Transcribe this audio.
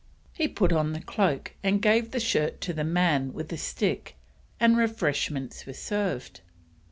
He put on the cloak and gave the shirt to the man with the stick, and refreshments were served.